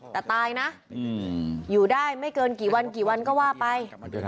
แต่ตายนะอยู่ได้ไม่เกินกี่วันกี่วันก็ว่าไป